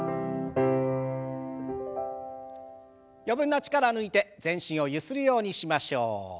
余分な力を抜いて全身をゆするようにしましょう。